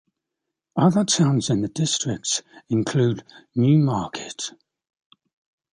Other towns in the district include Newmarket.